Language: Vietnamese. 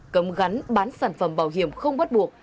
cấm gắn bán sản phẩm bảo hiểm không bắt buộc